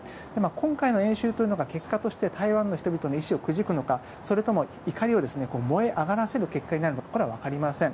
今回の演習というのが結果として台湾の人々の意識をくじくのかそれとも怒りを燃え上がらせるのかはこれはわかりません。